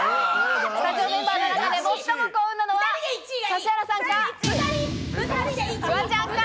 スタジオメンバーの中で最も幸運なのは指原さんか、フワちゃんか。